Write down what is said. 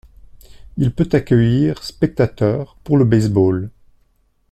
Il peut accueillir spectateurs pour le baseball.